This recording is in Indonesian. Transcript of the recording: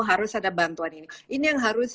harus ada bantuan ini ini yang harus